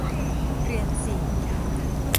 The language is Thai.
เรียนสิ